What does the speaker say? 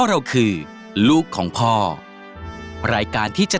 แต่ตอนเด็กก็รู้ว่าคนนี้คือพระเจ้าอยู่บัวของเรา